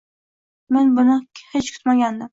Men buni hech kutmagandim.